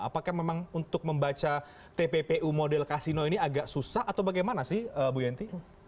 apakah memang untuk membaca tppu model kasino ini agak susah atau bagaimana sih bu yanti